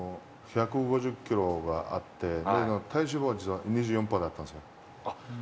１５０キロあって、体脂肪率は２４パーだったんですよ。